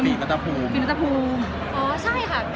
ไม่คุณหนูคูยชาก